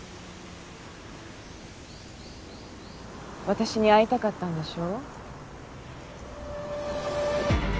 私に会いたかったんでしょ？